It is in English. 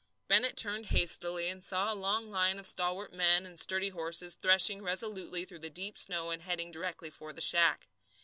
Bennett turned hastily, and saw a long line of stalwart men and sturdy horses threshing resolutely through the deep snow and heading directly for the shack.